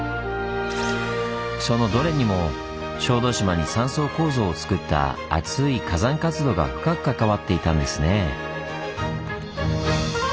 そのどれにも小豆島に３層構造をつくったアツイ火山活動が深く関わっていたんですねぇ。